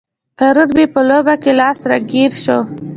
پرون مې په لوبه کې لاس رګی شو.